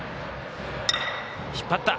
引っ張った。